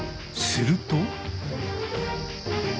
すると。